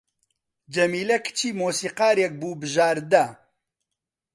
جەمیلەی کچی مۆسیقارێک بوو بژاردە